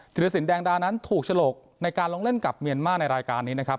รสินแดงดานั้นถูกฉลกในการลงเล่นกับเมียนมาร์ในรายการนี้นะครับ